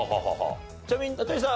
ちなみに名取さん